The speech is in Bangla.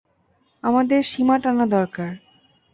আমাদের সীমা টানা দরকার।